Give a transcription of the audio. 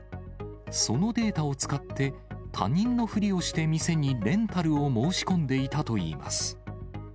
そのデータを使って、他人のふりをして店にレンタルを申し込んでいたといいます。